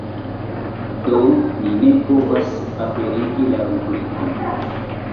Do ni ne povas aperigi la rubrikon.